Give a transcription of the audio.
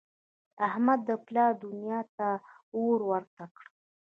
احمد د پلار دونیا ته اور ورته کړ.